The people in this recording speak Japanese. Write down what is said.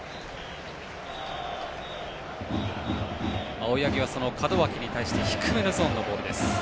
青柳は、門脇に対して低めのゾーンのボール。